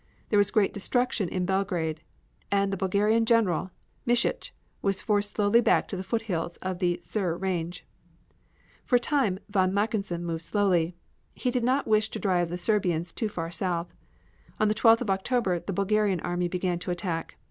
There was great destruction in Belgrade and the Bulgarian General, Mishitch, was forced slowly back to the foothills of the Tser range. For a time von Mackensen moved slowly. He did not wish to drive the Serbians too far south. On the 12th of October the Bulgarian army began its attack.